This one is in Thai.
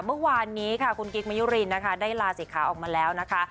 เมื่อวานนี้คุณกรีกมยุรินทร์ได้ลาสิทธิ์ค้าออกมาแล้วนะคะ